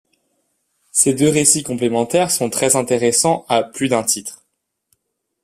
Ces deux récits complémentaires sont très intéressants à plus d’un titre.